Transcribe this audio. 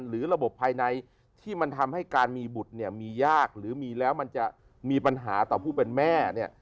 หรือระบบภายในที่มันทำให้การมีบุตรเนี่ยมียากหรือมีแล้วมันจะมีปัญหาต่อผู้เป็นแม่เนี่ย